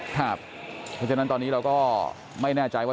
เพราะฉะนั้นตอนนี้เราก็ไม่แน่ใจว่า